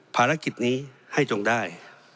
ภารกิจนี้ให้จงได้